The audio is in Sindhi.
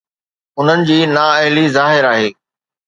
انهن جي نااهلي ظاهر آهي.